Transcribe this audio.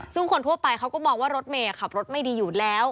ซึ่งคนทั่วไปเขาก็มองว่ารถเมย์ขับรถไม่ดีอยู่แล้ว